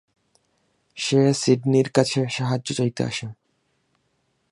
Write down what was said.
সে সিডনির কাছে সাহায্য চাইতে আসে।